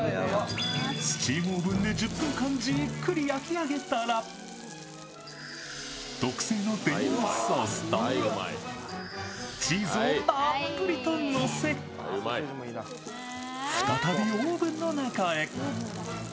スチームオーブンで１０分間じっくり焼き上げたら特製のデミグラスソースとチーズをたっぷりとのせ、再びオーブンの中へ。